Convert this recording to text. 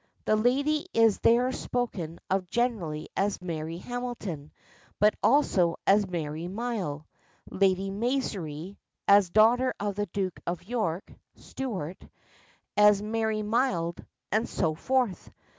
The lady is there spoken of generally as Mary Hamilton, but also as Mary Myle, Lady Maisry, as daughter of the Duke of York (Stuart), as Marie Mild, and so forth.